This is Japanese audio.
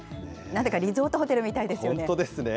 なぜかリゾートホテルみたいですよね。